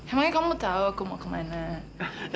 emangnya kamu tahu aku mau kemana